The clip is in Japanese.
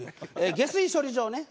下水処理場ね。